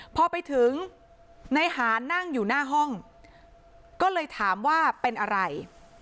พอไปถึงในหานั่งอยู่หน้าห้องก็เลยถามว่าเป็นอะไร